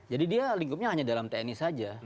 jadi dia lingkupnya hanya dalam tni saja